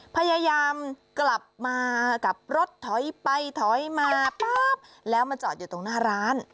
พยายามกลับมากลับรถถอยไปถอยมาปั๊บแล้วมาจอดอยู่ตรงหน้าร้าน